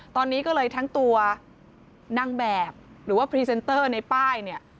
ตอนนี้ก็เลยทั้งตัวนางแบบหรือว่าพรีเซนเตอร์ในป้ายเนี่ย